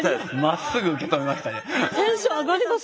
テンション上がります